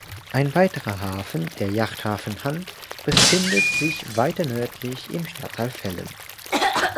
Ein weiterer Hafen, der Yachthafen „Hunt“, befindet sich weiter nördlich im Stadtteil Fellen.